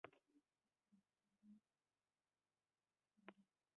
Telliḍ tettawyeḍ akraren ɣer ssuq.